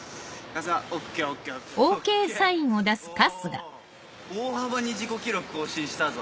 お大幅に自己記録更新したぞ。